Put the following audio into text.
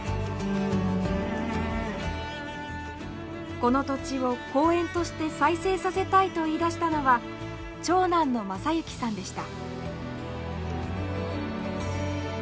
この土地を公園として再生させたいと言いだしたのは長男の正幸さんでした。